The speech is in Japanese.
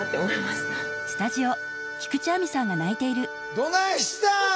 どないしたん？